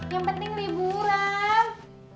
yang penting liburan